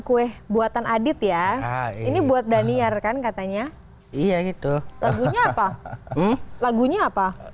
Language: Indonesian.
kue buatan adit ya ini buat daniar kan katanya iya gitu lagunya apa lagunya apa